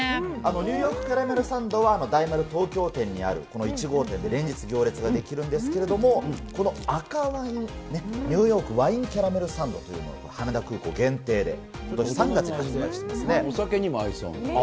ニューヨークキャラメルサンドは、大丸東京店にあるこの１号店、連日行列が出来るんですけれども、この赤ワイン、ニューヨークワインキャラメルサンドというのは、羽田空港限定で、お酒にも合いそう。